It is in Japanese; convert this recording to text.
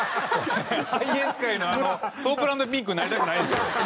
ハイエース界のあのソープランドピンクになりたくないんですよ。